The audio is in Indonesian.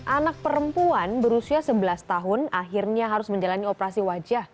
anak perempuan berusia sebelas tahun akhirnya harus menjalani operasi wajah